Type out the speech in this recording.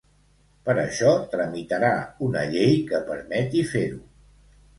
Per això tramitarà una llei que permeti fer-ho.